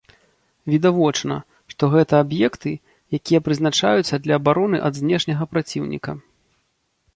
Відавочна, што гэта аб'екты, якія прызначаюцца для абароны ад знешняга праціўніка.